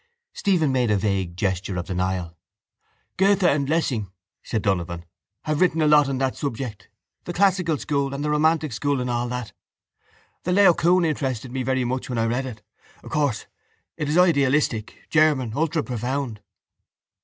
Stephen made a vague gesture of denial. —Goethe and Lessing, said Donovan, have written a lot on that subject, the classical school and the romantic school and all that. The Laocoon interested me very much when I read it. Of course it is idealistic, German, ultra profound.